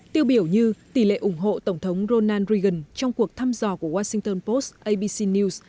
tiêu biểu như tỷ lệ ủng hộ tổng thống ronald reagan trong cuộc thăm dò của washington post abc news